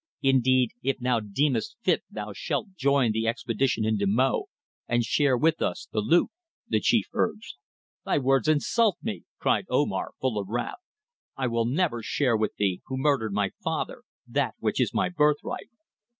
Indeed, if thou deemest fit thou shalt join the expedition into Mo, and share with us the loot," the chief urged. "Thy words insult me," cried Omar, full of wrath. "I will never share with thee, who murdered my father, that which is my birthright."